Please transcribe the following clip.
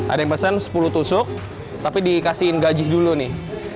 ada yang pesan sepuluh tusuk tapi dikasihin gaji dulu nih